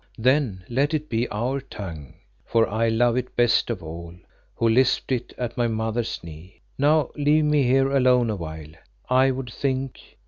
"Then let it be our tongue, for I love it best of all, who lisped it at my mother's knee. Now leave me here alone awhile; I would think.